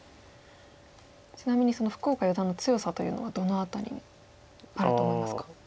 ちなみに福岡四段の強さというのはどの辺りにあると思いますか。